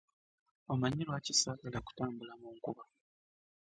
Omanyi lwaki saagala ku tambula mu nkuba?